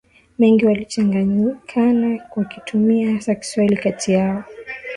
mengi walichanganyikana wakitumia hasa Kiswahili kati yao